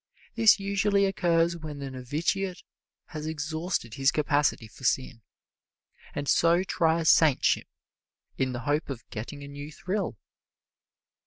This usually occurs when the novitiate has exhausted his capacity for sin, and so tries saintship in the hope of getting a new thrill.